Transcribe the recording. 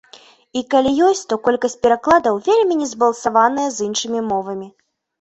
І калі ёсць, то колькасць перакладаў вельмі незбалансаваная з іншымі мовамі.